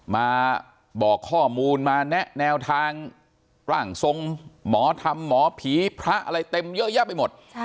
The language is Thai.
มาบอกข้อมูลมาแนะแนวทางร่างทรงหมอธรรมหมอผีพระอะไรเต็มเยอะแยะไปหมด